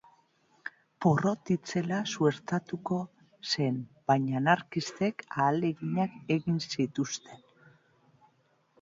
Porrot itzela suertatuko zen, baina anarkistek ahaleginak egin zituzten.